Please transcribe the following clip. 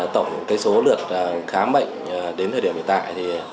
tổng số lượt khám bệnh đến thời điểm hiện tại